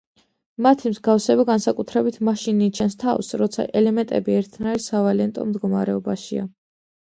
მათი მსგავსება განსაკუთრებით მაშინ იჩენს თავს, როცა ელემენტები ერთნაირ სავალენტო მდგომარეობაშია.